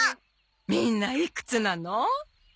みんないくつなの？